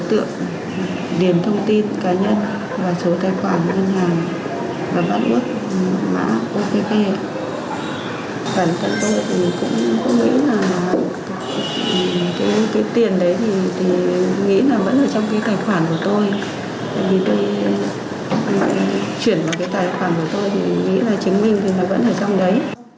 chuyển vào tài khoản của tôi thì chứng minh vẫn ở trong đấy